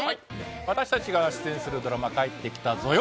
私たちが出演するドラマ『帰ってきたぞよ！